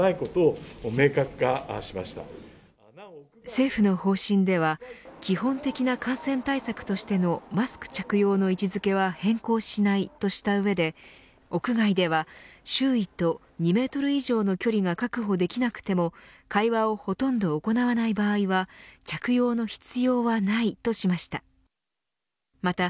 政府の方針では基本的な感染対策としてのマスク着用の位置付けは変更しないとした上で屋外では周囲と２メートル以上の距離が確保できなくても会話をほとんど行わない場合は着用の必要はないとしました。